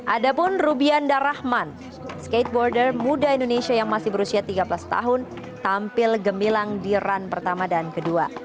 ada pun rubianda rahman skateboarder muda indonesia yang masih berusia tiga belas tahun tampil gemilang di run pertama dan kedua